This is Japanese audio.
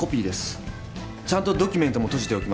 ちゃんとドキュメントもとじておきました。